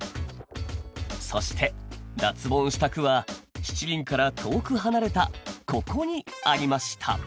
そして脱ボンした句は「七輪」から遠く離れたここにありました。